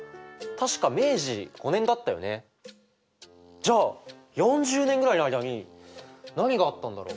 じゃあ４０年ぐらいの間に何があったんだろう？